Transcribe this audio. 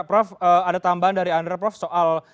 prof ada tambahan dari anda prof soal